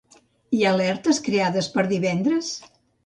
Hi ha alertes creades per divendres?